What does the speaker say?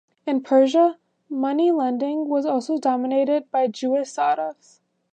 In Persia, money lending was also dominated by Jewish Sarrafs.